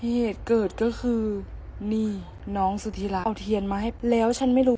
เหตุเกิดก็คือนี่น้องถี่ร้ายเหมาะเดี๋ยวฉันไม่รู้